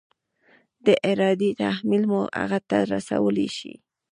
د ارادې تحمیل مو هغې ته رسولی شي؟